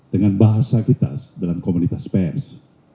dengan bahasa kita dalam komunitas pers